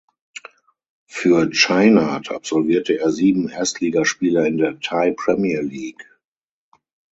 Für Chainat absolvierte er sieben Erstligaspiele in der Thai Premier League.